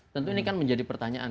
tentu ini kan menjadi pertanyaan